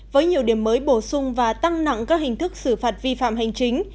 với nhiều điểm mới bổ sung và tăng nặng các hình thức xử phạt vi phạm hành chính